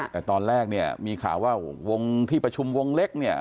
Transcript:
แต่ตอนแรกมีข่าวว่าวงที่ประชุมวงเล็ก